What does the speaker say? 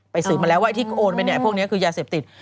ไปสืบมาแล้วว่าที่โอนไปพวกนี้คือยาเสพติด